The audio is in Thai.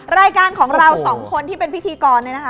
รายการของเราสองคนที่เป็นพิธีกรเนี่ยนะคะ